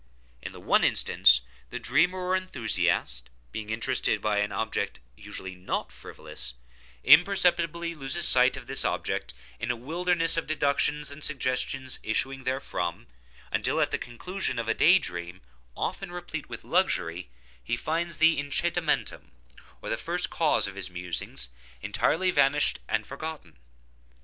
In the one instance, the dreamer, or enthusiast, being interested by an object usually not frivolous, imperceptibly loses sight of this object in a wilderness of deductions and suggestions issuing therefrom, until, at the conclusion of a day dream often replete with luxury, he finds the incitamentum, or first cause of his musings, entirely vanished and forgotten.